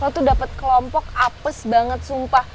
aku tuh dapet kelompok apes banget sumpah